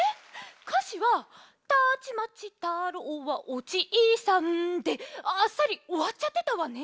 かしは「たちまち太郎はおじいさん」であっさりおわっちゃってたわね。